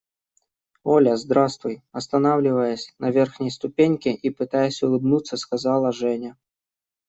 – Оля, здравствуй! – останавливаясь на верхней ступеньке и пытаясь улыбнуться, сказала Женя.